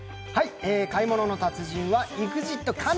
「買い物の達人」はＥＸＩＴかね